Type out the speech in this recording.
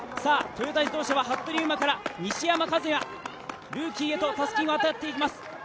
トヨタ自動車は服部勇馬から西山和弥、ルーキーへとたすきが渡っていきます。